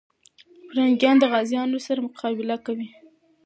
پرنګیان د غازيانو سره مقابله کوي.